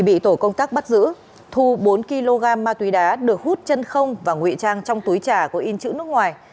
bị tổ công tác bắt giữ thu bốn kg ma túy đá được hút chân không và nguyện trang trong túi trả của in chữ nước ngoài